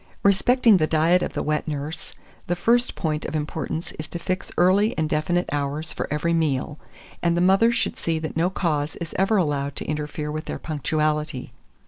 2442. Respecting the diet of the wet nurse, the first point of importance is to fix early and definite hours for every meal; and the mother should see that no cause is ever allowed to interfere with their punctuality.